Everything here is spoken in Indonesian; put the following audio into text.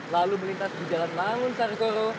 lalu melintas ke jalan mangun sarkoro